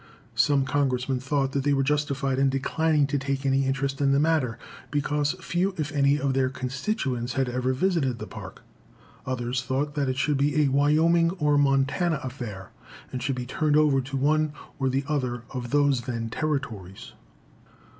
Some Congressmen thought they were justified in declining to take any interest in the matter, because few, if any, of their constituents had ever visited the Park. Others thought that it should be a Wyoming or Montana affair, and should be turned over to one or the other of those then territories.